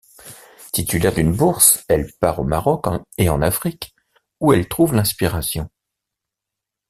Titulaire d'une bourse, elle part au Maroc et en Afrique où elle trouve l'inspiration.